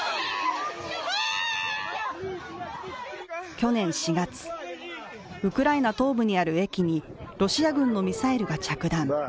去年４月、ウクライナ東部にある駅にロシア軍のミサイルが着弾。